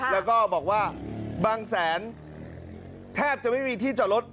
แล้วก็บอกว่าบางแสนแทบจะไม่มีที่จอดรถ